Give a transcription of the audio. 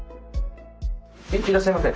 いらっしゃいませ。